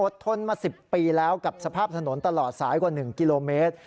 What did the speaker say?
ทนมา๑๐ปีแล้วกับสภาพถนนตลอดสายกว่า๑กิโลเมตร